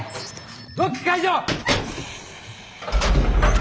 ロック解除！